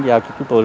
giao cho chúng tôi